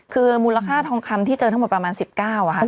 คือมูลค่าทองคำที่เจอทั้งหมดประมาณ๑๙ค่ะ